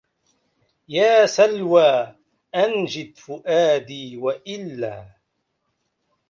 يا سلوى أنجد فؤادي وإلا